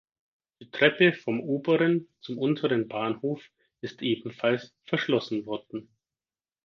Die Treppe vom oberen zum unteren Bahnhof ist ebenfalls verschlossen worden.